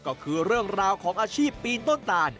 ก็คือเรื่องราวของอาชีพปีนต้นตาน